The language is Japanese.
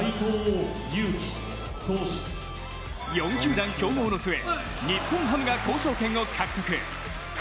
４球団競合の末日本ハムが交渉権を獲得。